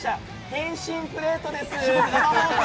点心プレートです。